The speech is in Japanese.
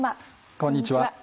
こんにちは。